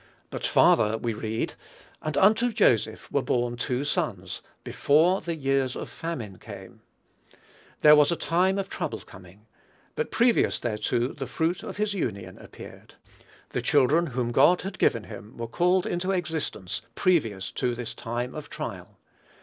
But farther we read, "And unto Joseph were born two sons, before the years of famine came." There was a time of trouble coming; but previous thereto the fruit of his union appeared. The children whom God had given him were called into existence previous to this time of trial.